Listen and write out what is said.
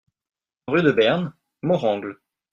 Rue de Bernes, Morangles